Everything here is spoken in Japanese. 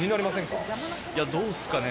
どうですかね。